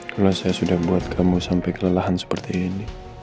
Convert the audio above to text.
kalau saya sudah buat kamu sampai kelelahan seperti ini